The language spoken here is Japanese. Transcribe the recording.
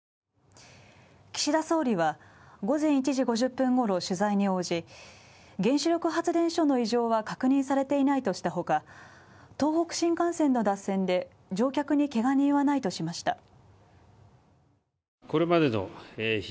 岸田総理は、午前１時５０分ごろ取材に応じ、原子力発電所の異常は確認されていないとしたほか、東北新幹線の脱線で、乗客にけが人はないとしました。